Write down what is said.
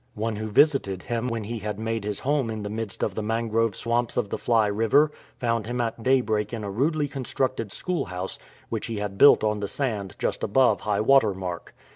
"*' One who visited him when he had made his home in the midst of the mangrove swamps of the Fly River found him at daybreak in a rudely constructed schoolhouse which he had built on the sand just above high water mark.